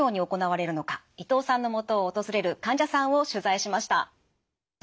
伊藤さんのもとを訪れる患者さんを取材しました。